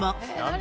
何？